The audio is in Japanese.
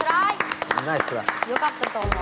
よかったと思う。